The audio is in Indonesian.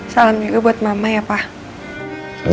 salam juga buat mama ya pak